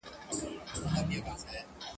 غم او ښادي یوه ده کور او ګور مو دواړه یو دي !.